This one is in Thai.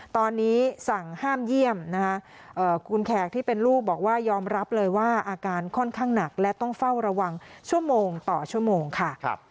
ตอนนี้สั่งห้ามเยี่ยมนะคะคุณแขกที่เป็นลูกบอกว่ายอมรับเลยว่าอาการค่อนข้างหนักและต้องเฝ้าระวังชั่วโมงต่อชั่วโมงค่ะ